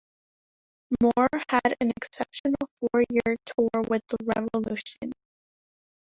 Moore had an exceptional four-year tour with the Revolution.